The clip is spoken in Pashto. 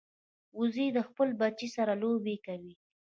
وزې د خپل بچي سره لوبې کوي